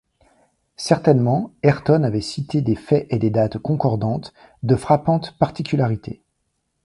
Certainement, Ayrton avait cité des faits et des dates concordantes, de frappantes particularités.